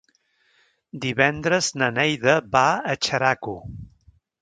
Divendres na Neida va a Xeraco.